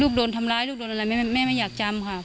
โดนทำร้ายลูกโดนอะไรแม่ไม่อยากจำค่ะ